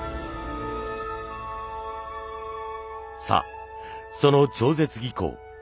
さあその超絶技巧